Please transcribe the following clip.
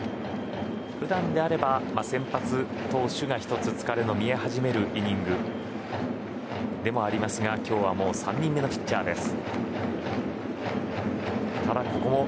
普段であれば先発投手が１つ、疲れが見え始めるイニングでもありますが今日はもう３人目のピッチャーです。